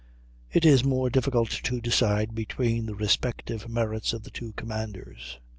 It is more difficult to decide between the respective merits of the two commanders.